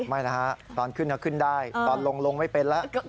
ไม่นะฮะตอนขึ้นก็ขึ้นได้ตอนลงไม่เป็นแล้ว